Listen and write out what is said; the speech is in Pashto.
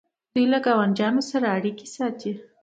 دوی له ګاونډیانو سره اړیکې ساتي.